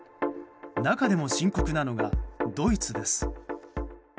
中でも深刻なのがドイツです。